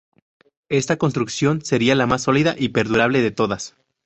Esta construcción sería la más sólida y perdurable de todas.